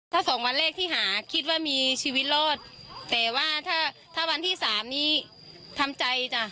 ถ้าสองวันแรกที่หาคิดว่ามีชีวิตรอดแต่ว่าถ้าถ้าวันที่สามนี้ทำใจจ้ะ